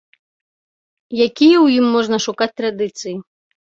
Якія ў ім можна шукаць традыцыі?